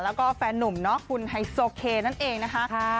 แล้วก็แฟนนุ่มเนาะคุณไฮโซเคนั่นเองนะคะ